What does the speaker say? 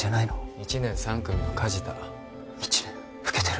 １年３組の梶田１年老けてる